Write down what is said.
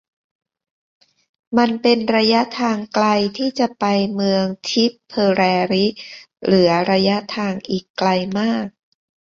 มันเป็นระยะทางไกลที่จะไปเมืองทิเพอะแรริเหลือระยะทางอีกไกลมาก